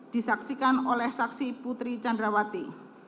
disaksikan oleh saksi putri candrawati